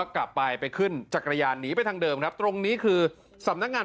กลับไปไปขึ้นจักรยานหนีไปทางเดิมครับตรงนี้คือสำนักงาน